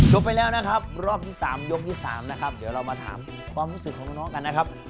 ไปแล้วนะครับรอบที่๓ยกที่๓นะครับเดี๋ยวเรามาถามความรู้สึกของน้องกันนะครับ